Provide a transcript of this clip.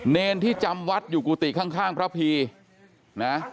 เนรที่จำวัดอยู่กุฏิข้างพระพีนะ